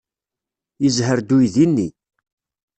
Yezher-d uydi-nni.